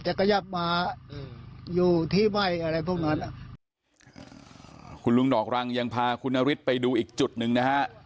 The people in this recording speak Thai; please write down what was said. ขยับมาอยู่ที่ใบ้อะไรพวกนั้นอ่ะคุณลุงดอกรังยังพาคุณนฤทธิ์ไปดูอีกจุดหนึ่งนะฮะ